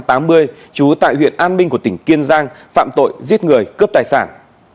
trú tại huyện an minh của tỉnh kiên giang phạm tội giết người cướp tài sản